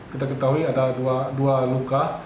kita ketahui ada dua luka